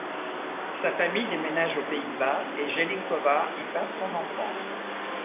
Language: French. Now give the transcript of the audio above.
Sa famille déménage aux Pays-Bas et Jelinkova y passe son enfance.